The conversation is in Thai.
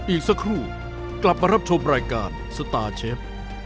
อีกสักครู่กลับมารับชมรายการสตาร์เชฟ